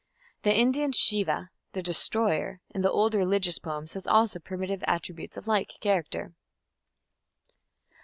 The Indian Shiva, "the Destroyer", in the old religious poems has also primitive attributes of like character.